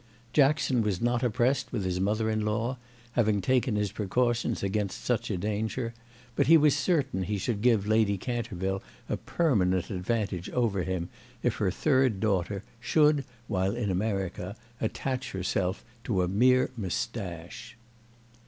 Jackson was not oppressed with his mother in law, having taken his precautions against such a danger; but he was certain he should give Lady Canterville a permanent advantage over him if her third daughter should while in America attach herself to a mere moustache.